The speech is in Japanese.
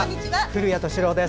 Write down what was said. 古谷敏郎です。